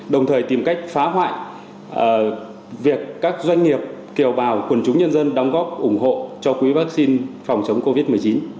đồng thời tìm cách phá hoại việc các doanh nghiệp kiều bào quần chúng nhân dân đóng góp ủng hộ cho quỹ vaccine phòng chống covid một mươi chín